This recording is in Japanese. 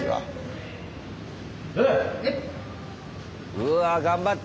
うわ頑張って。